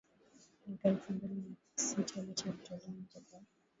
Mwaka elfu mbili na sita licha ya kutolewa nje kwa